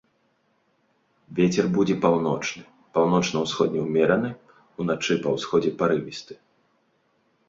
Вецер будзе паўночны, паўночна-усходні ўмераны, уначы па ўсходзе парывісты.